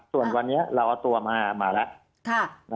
ส่วนวันนี้เราเอาตัวมาแล้ว